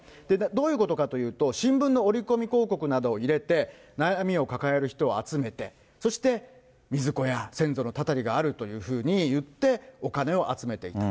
どういうことかというと、新聞の折り込み広告などを入れて、悩みを抱える人を集めて、そして水子や先祖のたたりがあるというふうに言って、お金を集めていた。